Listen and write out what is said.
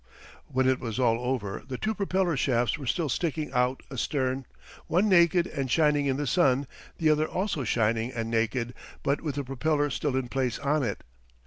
When it was all over the two propeller shafts were still sticking out astern, one naked and shining in the sun; the other also shining and naked, but with a propeller still in place on it.